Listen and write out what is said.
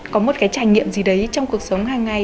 có một cái trải nghiệm gì đấy trong cuộc sống hàng ngày